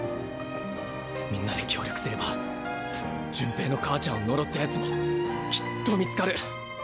みんなで協力すれば順平の母ちゃんを呪ったヤツもきっと見つかる。